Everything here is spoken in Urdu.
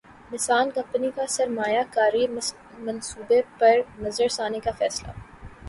نسان کمپنی کا سرمایہ کاری منصوبے پر نظرثانی کا فیصلہ